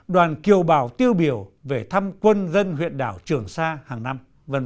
đoàn kiều bào tiêu biểu về thăm quân dân huyện đảo trường sa hàng năm